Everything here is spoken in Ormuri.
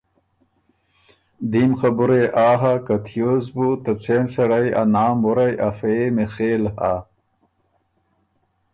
دیم خبُره يې آ هۀ که تیوس بُو ته څېن سړئ ا نام وُرئ افۀ يې میخېل هۀ۔